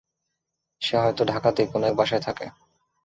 সে হয়তো ঢাকাতেই কোনো এক বাসায় থাকে।